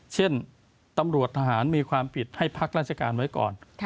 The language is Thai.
เช่นตำรวจทหารมีความผิดให้พักราชการไว้ก่อน